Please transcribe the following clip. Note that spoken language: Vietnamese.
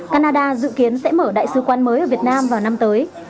canada dự kiến sẽ mở đại sứ quan mới ở việt nam vào năm tới